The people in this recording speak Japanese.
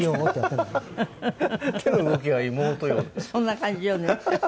そんな感じよね。